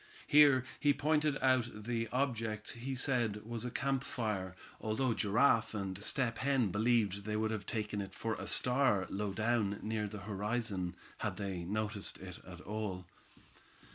Here he pointed out the object he said was a campfire, although Giraffe and Step Hen believed they would have taken it for a star low down near the horizon, had they noticed it at all.